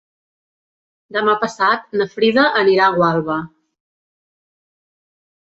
Demà passat na Frida anirà a Gualba.